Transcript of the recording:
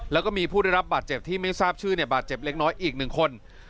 แล้วก็มีผู้ได้รับบาดเจ็บที่ไม่ทราบชื่อบาดเจ็บเล็กน้อยอีกหนึ่งคน